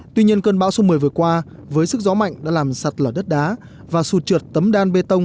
tuy nhiên cơn bão số một mươi vừa qua với sức gió mạnh đã làm sạt lở đất đá và sụt trượt tấm đan bê tông